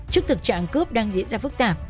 trước thực trạng cướp đang diễn ra phức tạp